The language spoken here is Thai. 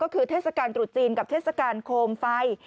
ก็คือเทศกาลตรุษจีนกับเทศกาลโคมไฟ